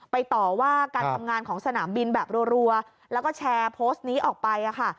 ต่อว่าการทำงานของสนามบินแบบรัวแล้วก็แชร์โพสต์นี้ออกไปค่ะ